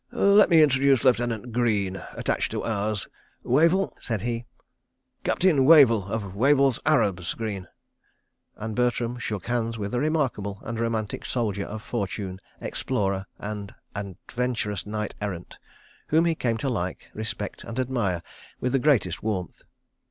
"Let me introduce Lieutenant Greene, attached to Ours. Wavell ..." said he. ... "Captain Wavell of Wavell's Arabs, Greene," and Bertram shook hands with a remarkable and romantic soldier of fortune, explorer and adventurous knight errant, whom he came to like, respect, and admire with the greatest warmth.